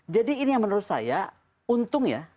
jadi ini yang menurut saya untung ya